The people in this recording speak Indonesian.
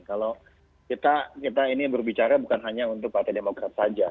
kalau kita ini berbicara bukan hanya untuk partai demokrat saja